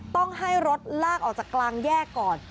ต้องให้รถลากออกจากกลางแยกก่อน